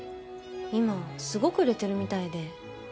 今すごく売れてるみたいで。